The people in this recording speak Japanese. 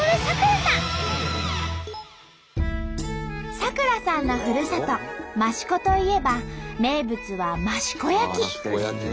咲楽さんのふるさと益子といえば名物は益子焼！